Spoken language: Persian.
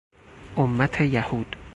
امت یهود